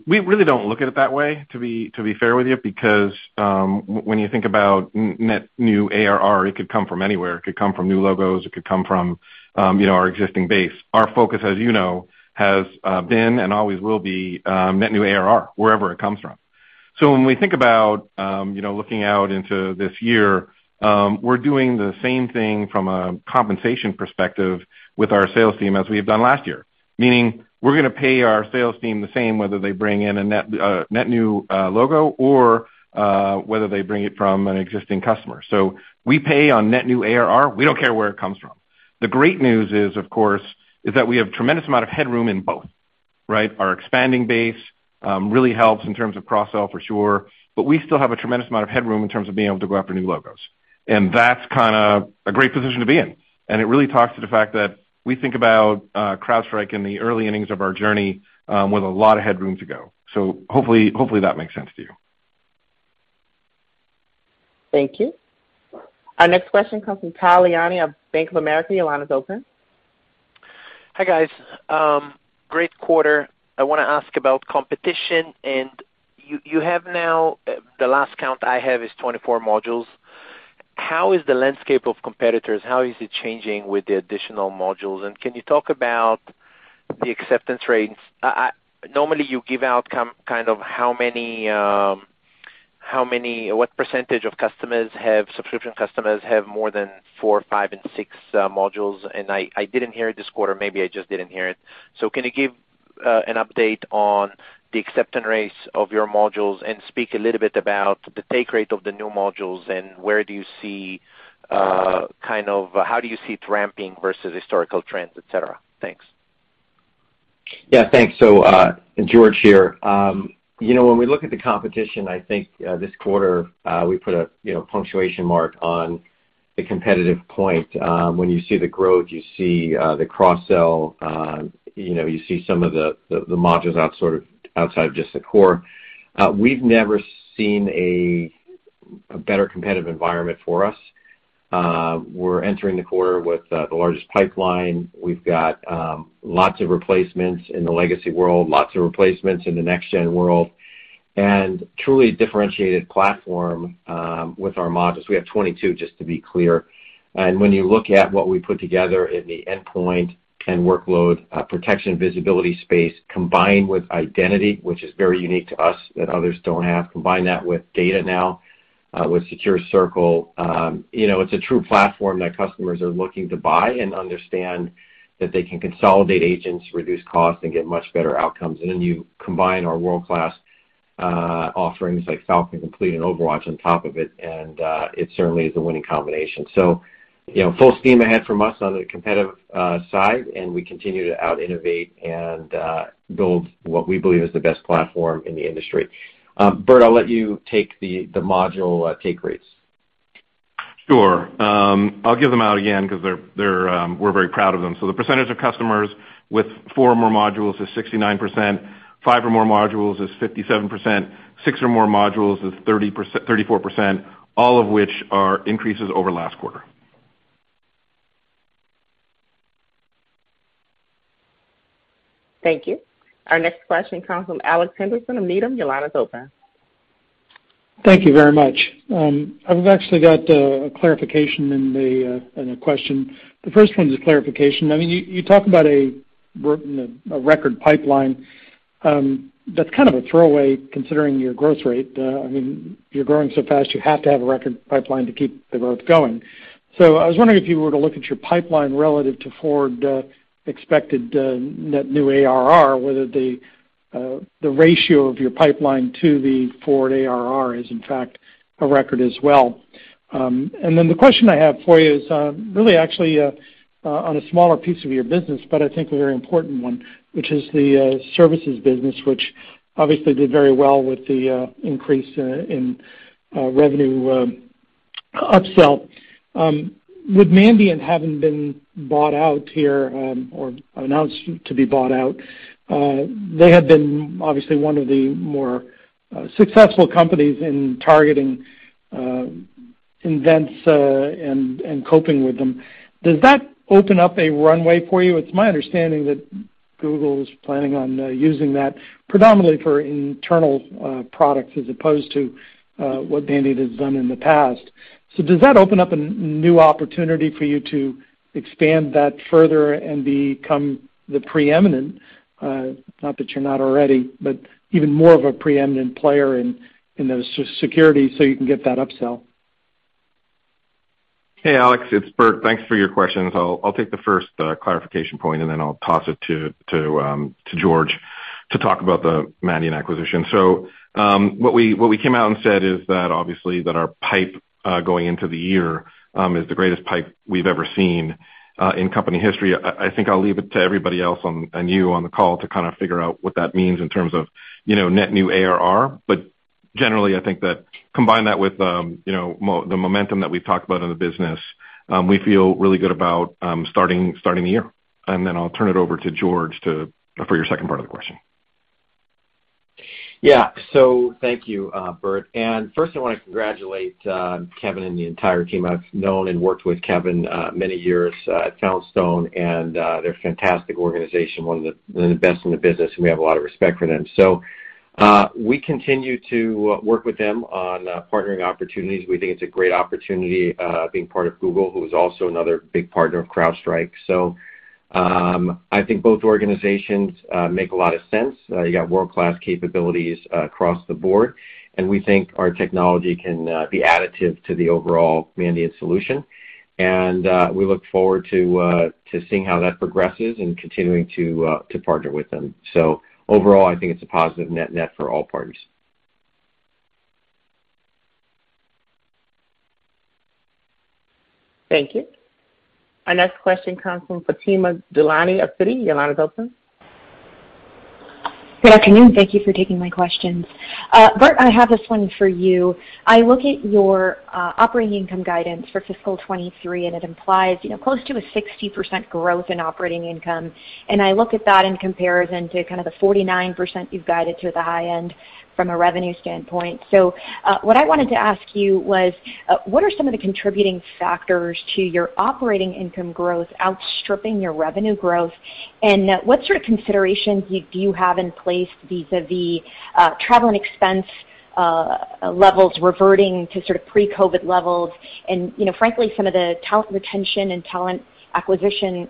We really don't look at it that way, to be fair with you, because when you think about net new ARR, it could come from anywhere. It could come from new logos. It could come from you know, our existing base. Our focus, as you know, has been and always will be net new ARR, wherever it comes from. When we think about you know, looking out into this year, we're doing the same thing from a compensation perspective with our sales team as we have done last year, meaning we're gonna pay our sales team the same, whether they bring in a net new logo or whether they bring it from an existing customer. We pay on net new ARR. We don't care where it comes from. The great news is, of course, that we have tremendous amount of headroom in both, right? Our expanding base really helps in terms of cross-sell for sure, but we still have a tremendous amount of headroom in terms of being able to go after new logos. That's kinda a great position to be in. It really talks to the fact that we think about CrowdStrike in the early innings of our journey with a lot of headroom to go. Hopefully that makes sense to you. Thank you. Our next question comes from Tal Liani of Bank of America. Your line is open. Hi, guys. Great quarter. I wanna ask about competition. You have now, the last count I have is 24 modules. How is the landscape of competitors? How is it changing with the additional modules? Can you talk about the acceptance rates? Normally you give out what percentage of subscription customers have more than four, five, and six modules. I didn't hear it this quarter. Maybe I just didn't hear it. Can you give an update on the acceptance rates of your modules and speak a little bit about the take rate of the new modules and where do you see kind of how do you see it ramping versus historical trends, et cetera? Thanks. Yeah, thanks. George here. You know, when we look at the competition, I think this quarter we put a you know punctuation mark on the competitive point. When you see the growth, you see the cross-sell, you know, you see some of the modules out sort of outside just the core. We've never seen a better competitive environment for us. We're entering the quarter with the largest pipeline. We've got lots of replacements in the legacy world, lots of replacements in the next gen world, and truly differentiated platform with our modules. We have 22, just to be clear. When you look at what we put together in the endpoint and workload protection visibility space combined with identity, which is very unique to us that others don't have, combine that with data now. With SecureCircle, you know, it's a true platform that customers are looking to buy and understand that they can consolidate agents, reduce costs, and get much better outcomes. Then you combine our world-class offerings like Falcon Complete and OverWatch on top of it, and it certainly is a winning combination. You know, full steam ahead from us on the competitive side, and we continue to out-innovate and build what we believe is the best platform in the industry. Burt, I'll let you take the module take rates. Sure. I'll give them out again 'cause they're, we're very proud of them. The percentage of customers with four or more modules is 69%, five or more modules is 57%, six or more modules is 34%, all of which are increases over last quarter. Thank you. Our next question comes from Alex Henderson of Needham. Your line is open. Thank you very much. I've actually got a clarification and a question. The first one is a clarification. I mean, you talk about a record pipeline. That's kind of a throwaway considering your growth rate. I mean, you're growing so fast, you have to have a record pipeline to keep the growth going. I was wondering if you were to look at your pipeline relative to forward expected net new ARR, whether the ratio of your pipeline to the forward ARR is in fact a record as well. The question I have for you is really actually on a smaller piece of your business, but I think a very important one, which is the services business, which obviously did very well with the increase in revenue upsell. With Mandiant having been bought out here or announced to be bought out, they have been obviously one of the more successful companies in targeting events and coping with them. Does that open up a runway for you? It's my understanding that Google is planning on using that predominantly for internal products as opposed to what Mandiant has done in the past. Does that open up a new opportunity for you to expand that further and become the preeminent, not that you're not already, but even more of a preeminent player in the security so you can get that upsell? Hey, Alex, it's Burt. Thanks for your questions. I'll take the first clarification point, and then I'll toss it to George to talk about the Mandiant acquisition. What we came out and said is that obviously our pipe going into the year is the greatest pipe we've ever seen in company history. I think I'll leave it to everybody else on and you on the call to kind of figure out what that means in terms of, you know, net new ARR. But generally, I think that combine that with the momentum that we've talked about in the business, we feel really good about starting the year. Then I'll turn it over to George for your second part of the question. Yeah. Thank you, Burt. First, I wanna congratulate Kevin and the entire team. I've known and worked with Kevin many years at CrowdStrike, and they're a fantastic organization, one of the best in the business, and we have a lot of respect for them. We continue to work with them on partnering opportunities. We think it's a great opportunity being part of Google, who is also another big partner of CrowdStrike. I think both organizations make a lot of sense. You got world-class capabilities across the board, and we think our technology can be additive to the overall Mandiant solution. We look forward to seeing how that progresses and continuing to partner with them. Overall, I think it's a positive net-net for all parties. Thank you. Our next question comes from Fatima Boolani of Citi. Your line is open. Good afternoon. Thank you for taking my questions. Burt, I have this one for you. I look at your operating income guidance for fiscal 2023, and it implies close to 60% growth in operating income. I look at that in comparison to the 49% you've guided to the high end from a revenue standpoint. What I wanted to ask you was, what are some of the contributing factors to your operating income growth outstripping your revenue growth? What sort of considerations do you have in place vis-a-vis travel and expense levels reverting to pre-COVID levels and, frankly, some of the talent retention and talent acquisition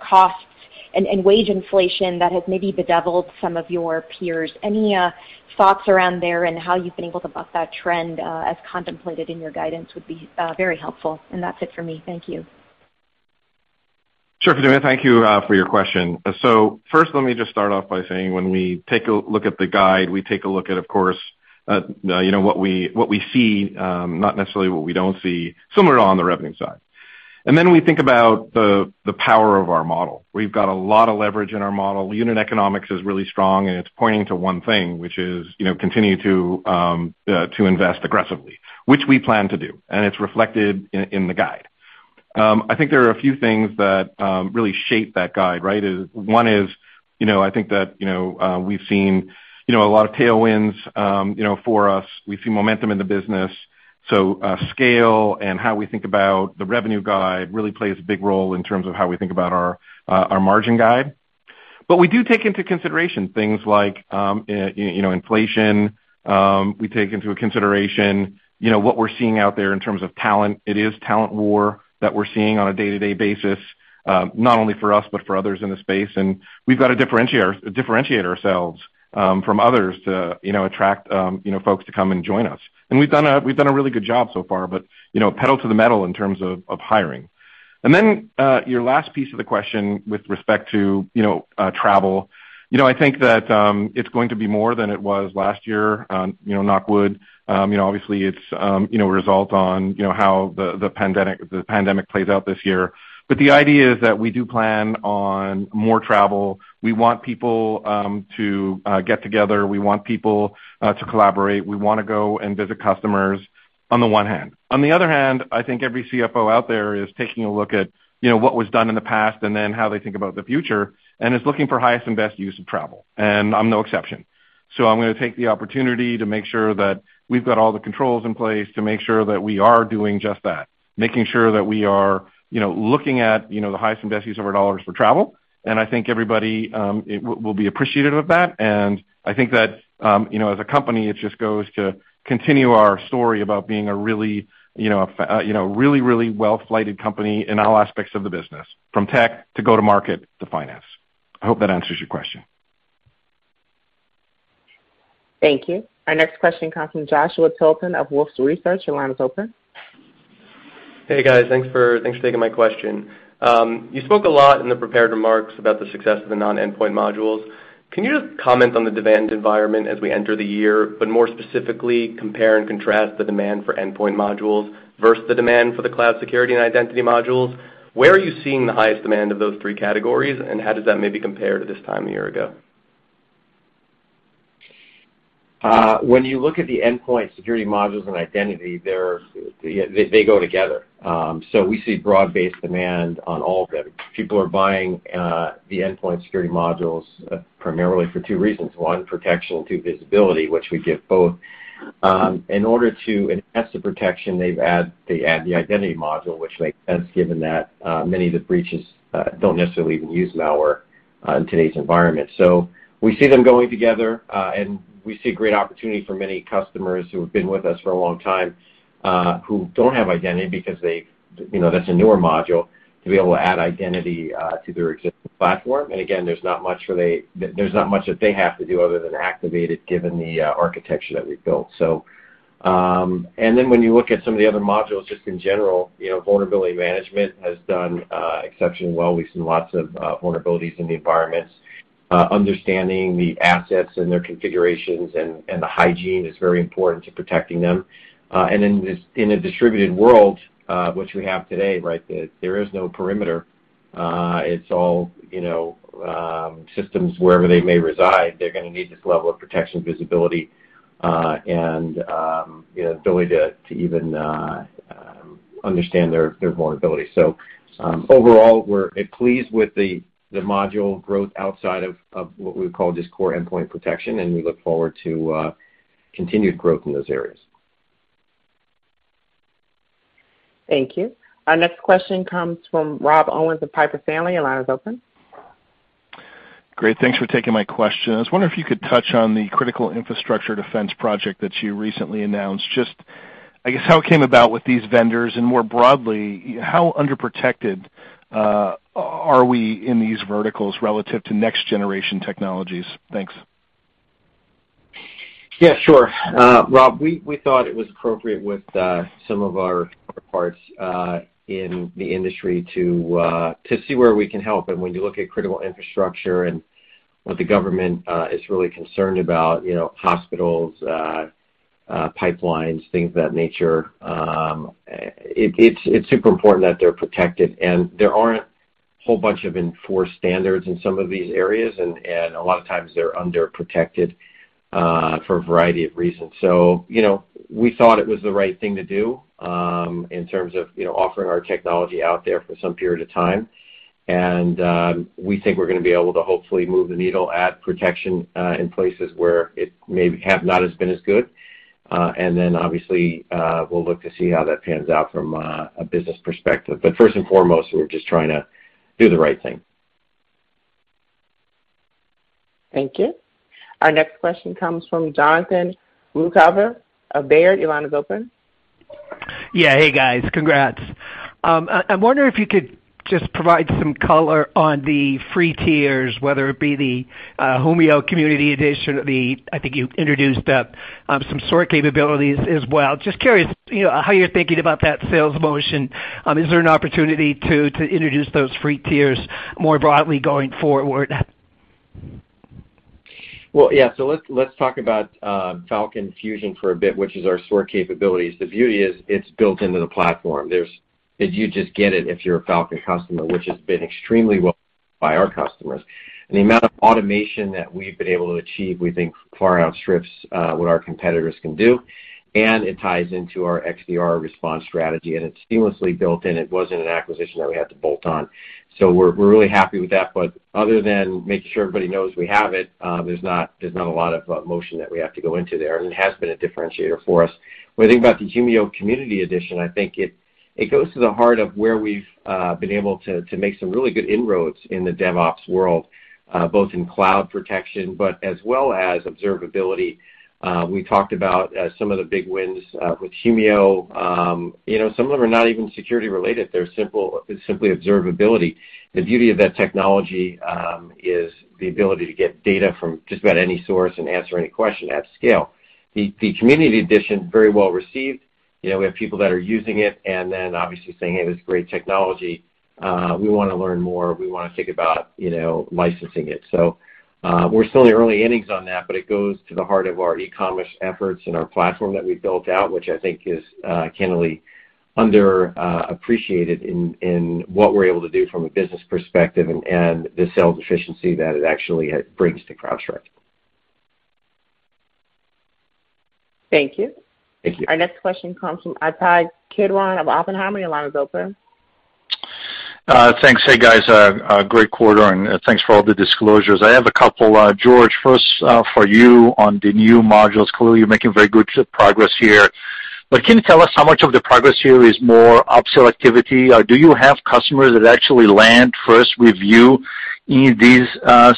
costs and wage inflation that has maybe bedeviled some of your peers? Any thoughts around there and how you've been able to buck that trend, as contemplated in your guidance would be very helpful. That's it for me. Thank you. Sure, Fatima, thank you for your question. First, let me just start off by saying when we take a look at the guide, we take a look at, of course, you know, what we see, not necessarily what we don't see, similar on the revenue side. Then we think about the power of our model. We've got a lot of leverage in our model. Unit economics is really strong, and it's pointing to one thing, which is, you know, continue to invest aggressively, which we plan to do, and it's reflected in the guide. I think there are a few things that really shape that guide, right? One is, you know, I think that, you know, we've seen, you know, a lot of tailwinds, you know, for us, we see momentum in the business. Scale and how we think about the revenue guide really plays a big role in terms of how we think about our margin guide. But we do take into consideration things like, you know, inflation. We take into consideration, you know, what we're seeing out there in terms of talent. It is talent war that we're seeing on a day-to-day basis. Not only for us, but for others in the space. We've got to differentiate ourselves from others to, you know, attract, you know, folks to come and join us. We've done a really good job so far, but, you know, pedal to the metal in terms of hiring. Your last piece of the question with respect to, you know, travel. You know, I think that it's going to be more than it was last year, you know, knock wood. You know, obviously, it's going to rest on how the pandemic plays out this year. The idea is that we do plan on more travel. We want people to get together. We want people to collaborate. We wanna go and visit customers on the one hand. On the other hand, I think every CFO out there is taking a look at, you know, what was done in the past and then how they think about the future and is looking for highest and best use of travel. I'm no exception. I'm gonna take the opportunity to make sure that we've got all the controls in place to make sure that we are doing just that. Making sure that we are, you know, looking at, you know, the highest and best use of our dollars for travel. I think everybody will be appreciative of that. I think that, you know, as a company, it just goes to continue our story about being a really, you know, really, really well-faceted company in all aspects of the business, from tech, to go-to-market, to finance. I hope that answers your question. Thank you. Our next question comes from Joshua Tilton of Wolfe Research. Your line is open. Hey, guys. Thanks for taking my question. You spoke a lot in the prepared remarks about the success of the non-endpoint modules. Can you just comment on the demand environment as we enter the year, but more specifically, compare and contrast the demand for endpoint modules versus the demand for the cloud security and identity modules? Where are you seeing the highest demand of those three categories, and how does that maybe compare to this time a year ago? When you look at the endpoint security modules and identity, they go together. We see broad-based demand on all of them. People are buying the endpoint security modules primarily for two reasons. One, protection, two, visibility, which we give both. In order to enhance the protection, they add the identity module, which has given that many of the breaches don't necessarily even use malware in today's environment. We see them going together, and we see great opportunity for many customers who have been with us for a long time, who don't have identity because you know, that's a newer module to be able to add identity to their existing platform. Again, there's not much that they have to do other than activate it given the architecture that we've built. Then when you look at some of the other modules just in general, you know, vulnerability management has done exceptionally well. We've seen lots of vulnerabilities in the environments. Understanding the assets and their configurations and the hygiene is very important to protecting them. In a distributed world which we have today, right? There is no perimeter. It's all, you know, systems wherever they may reside, they're gonna need this level of protection, visibility, and, you know, ability to even understand their vulnerability. Overall, we're pleased with the module growth outside of what we would call just core endpoint protection, and we look forward to continued growth in those areas. Thank you. Our next question comes from Rob Owens of Piper Sandler. Your line is open. Great. Thanks for taking my question. I was wondering if you could touch on the critical infrastructure defense project that you recently announced. Just, I guess, how it came about with these vendors, and more broadly, how underprotected are we in these verticals relative to next generation technologies? Thanks. Yeah, sure. Rob, we thought it was appropriate with some of our parts in the industry to see where we can help. When you look at critical infrastructure and what the government is really concerned about, you know, hospitals, pipelines, things of that nature, it's super important that they're protected. There aren't a whole bunch of enforced standards in some of these areas. A lot of times they're underprotected for a variety of reasons. You know, we thought it was the right thing to do in terms of, you know, offering our technology out there for some period of time. We think we're gonna be able to hopefully move the needle at protection in places where it maybe have not has been as good. Obviously, we'll look to see how that pans out from a business perspective. First and foremost, we're just trying to do the right thing. Thank you. Our next question comes from Jonathan Ruykhaver of Baird. Your line is open. Yeah. Hey, guys. Congrats. I'm wondering if you could just provide some color on the free tiers, whether it be the Humio Community Edition or the, I think you introduced some SOAR capabilities as well. Just curious, you know, how you're thinking about that sales motion. Is there an opportunity to introduce those free tiers more broadly going forward? Well, yeah. Let's talk about Falcon Fusion for a bit, which is our SOAR capabilities. The beauty is it's built into the platform. You just get it if you're a Falcon customer, which has been extremely well received by our customers. The amount of automation that we've been able to achieve, we think far outstrips what our competitors can do, and it ties into our XDR response strategy, and it's seamlessly built in. It wasn't an acquisition that we had to bolt on. We're really happy with that. Other than making sure everybody knows we have it, there's not a lot of motion that we have to go into there, and it has been a differentiator for us. When I think about the Humio Community Edition, I think it goes to the heart of where we've been able to make some really good inroads in the DevOps world, both in cloud protection, but as well as observability. We talked about some of the big wins with Humio. You know, some of them are not even security related. They're simply observability. The beauty of that technology is the ability to get data from just about any source and answer any question at scale. The community edition very well received. You know, we have people that are using it and then obviously saying, "Hey, this is great technology. We wanna learn more. We wanna think about, you know, licensing it. We're still in the early innings on that, but it goes to the heart of our e-commerce efforts and our platform that we built out, which I think is, candidly, underappreciated in what we're able to do from a business perspective and the sales efficiency that it actually brings to CrowdStrike. Thank you. Thank you. Our next question comes from Ittai Kidron of Oppenheimer. Your line is open. Thanks. Hey, guys. Great quarter, and thanks for all the disclosures. I have a couple. George, first, for you on the new modules. Clearly, you're making very good progress here, but can you tell us how much of the progress here is more upsell activity? Do you have customers that actually land and expand in these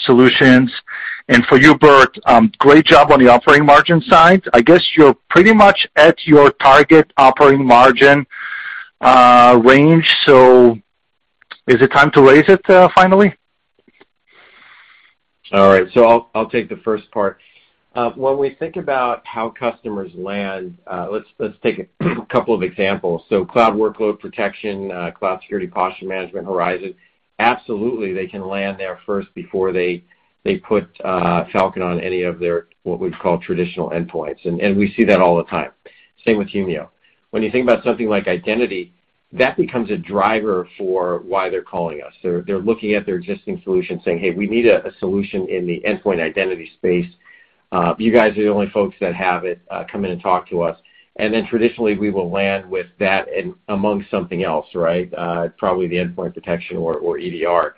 solutions? For you, Burt, great job on the operating margin side. I guess you're pretty much at your target operating margin range. Is it time to raise it finally? All right. I'll take the first part. When we think about how customers land, let's take a couple of examples. Cloud workload protection, cloud security posture management, Horizon, absolutely, they can land there first before they put Falcon on any of their, what we'd call traditional endpoints. We see that all the time. Same with Humio. When you think about something like identity, that becomes a driver for why they're calling us. They're looking at their existing solution saying, "Hey, we need a solution in the endpoint identity space. You guys are the only folks that have it, come in and talk to us." Then traditionally we will land with that in among something else, right? Probably the endpoint detection or EDR.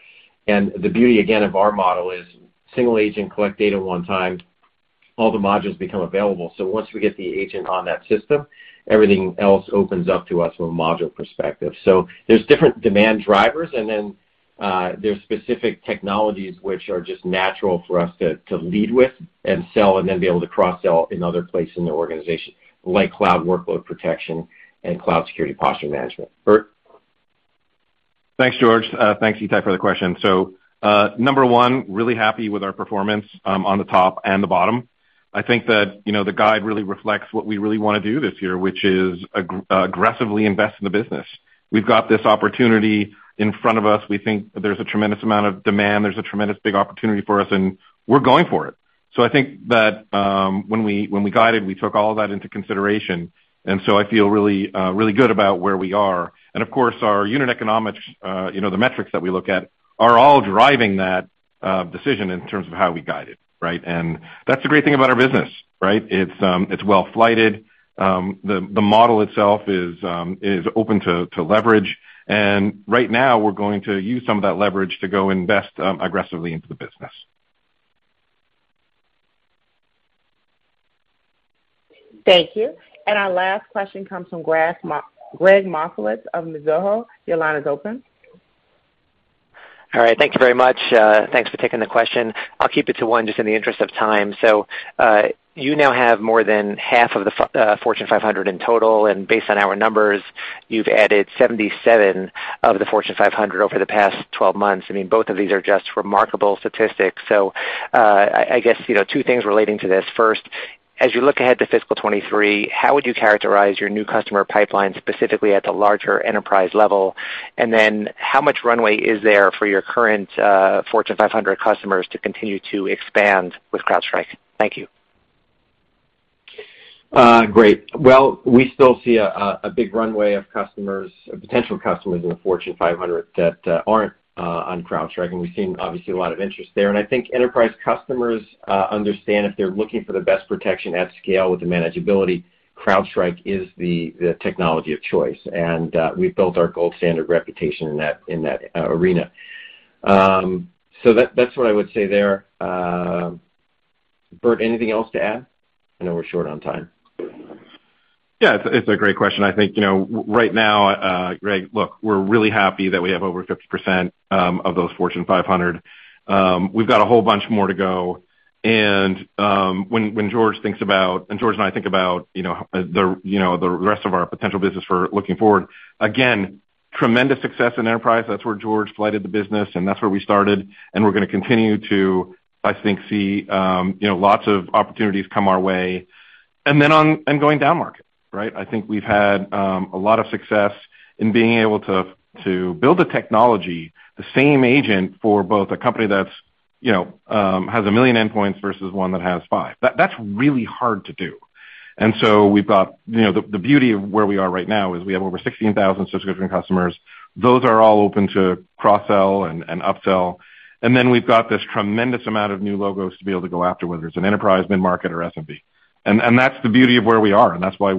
The beauty, again, of our model is single agent collect data one time, all the modules become available. Once we get the agent on that system, everything else opens up to us from a module perspective. There's different demand drivers, and then there's specific technologies which are just natural for us to lead with and sell and then be able to cross-sell in other places in the organization, like cloud workload protection and cloud security posture management. Burt? Thanks, George. Thanks, Ittai, for the question. Number one, really happy with our performance on the top and the bottom. I think that, you know, the guide really reflects what we really wanna do this year, which is aggressively invest in the business. We've got this opportunity in front of us. We think there's a tremendous amount of demand, there's a tremendous big opportunity for us, and we're going for it. I think that, when we guided, we took all that into consideration, and so I feel really good about where we are. Of course our unit economics, you know, the metrics that we look at are all driving that decision in terms of how we guide it, right? That's the great thing about our business, right? It's well flighted. The model itself is open to leverage. Right now we're going to use some of that leverage to go invest aggressively into the business. Thank you. Our last question comes from Gregg Moskowitz of Mizuho. Your line is open. All right. Thank you very much. Thanks for taking the question. I'll keep it to one just in the interest of time. You now have more than half of the Fortune 500 in total, and based on our numbers, you've added 77 of the Fortune 500 over the past 12 months. I mean, both of these are just remarkable statistics. I guess, you know, two things relating to this. First, as you look ahead to fiscal 2023, how would you characterize your new customer pipeline, specifically at the larger enterprise level? And then how much runway is there for your current Fortune 500 customers to continue to expand with CrowdStrike? Thank you. Great. Well, we still see a big runway of customers, potential customers in the Fortune 500 that aren't on CrowdStrike, and we've seen obviously a lot of interest there. I think enterprise customers understand if they're looking for the best protection at scale with the manageability, CrowdStrike is the technology of choice. We've built our gold standard reputation in that arena. So that's what I would say there. Burt, anything else to add? I know we're short on time. Yeah, it's a great question. I think, you know, right now, Greg, look, we're really happy that we have over 50% of those Fortune 500. We've got a whole bunch more to go, and when George and I think about, you know, the rest of our potential business going forward, again, tremendous success in enterprise. That's where George founded the business, and that's where we started, and we're gonna continue to, I think, see, you know, lots of opportunities come our way. And then going down market, right? I think we've had a lot of success in being able to build the technology, the same agent for both a company that's, you know, has 1 million endpoints versus one that has five. That's really hard to do. We've got you know, the beauty of where we are right now is we have over 16,000 subscription customers. Those are all open to cross-sell and upsell. Then we've got this tremendous amount of new logos to be able to go after, whether it's an enterprise, mid-market or S&P. That's the beauty of where we are, and that's why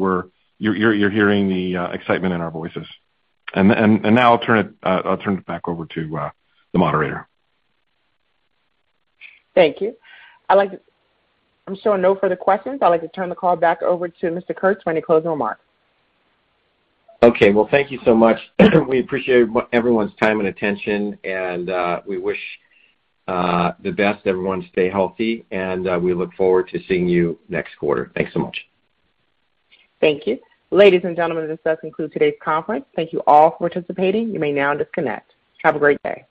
you're hearing the excitement in our voices. Now I'll turn it back over to the moderator. Thank you. I'm showing no further questions. I'd like to turn the call back over to Mr. Kurtz for any closing remarks. Okay. Well, thank you so much. We appreciate everyone's time and attention, and we wish the best. Everyone stay healthy, and we look forward to seeing you next quarter. Thanks so much. Thank you. Ladies and gentlemen, this does conclude today's conference. Thank you all for participating. You may now disconnect. Have a great day.